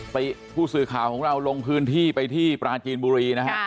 ผู้สื่อข่าวของเราลงพื้นที่ไปที่ปราจีนบุรีนะฮะ